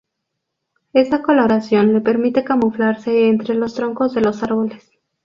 Esta coloración le permite camuflarse entre los troncos de los árboles.